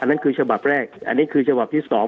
นั่นคือฉบับแรกอันนี้คือฉบับที่๒